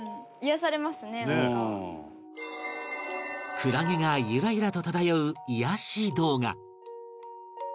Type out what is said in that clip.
クラゲがゆらゆらと漂う癒やし動画